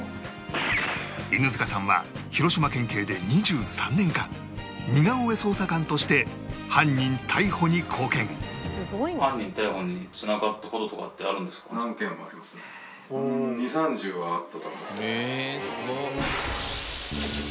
犬塚さんは広島県警で２３年間似顔絵捜査官として犯人逮捕に貢献へえーすごっ！